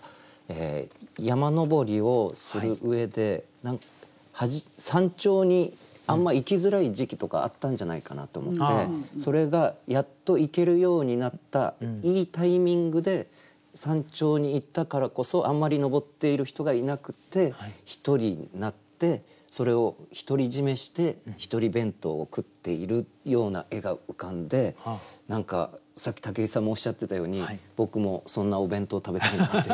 山登りをする上で山頂にあんま行きづらい時期とかあったんじゃないかなと思ってそれがやっと行けるようになったいいタイミングで山頂に行ったからこそあんまり登っている人がいなくって独りになってそれを独り占めして独り弁当を食っているような絵が浮かんで何かさっき武井さんもおっしゃってたように僕もそんなお弁当食べたいなって。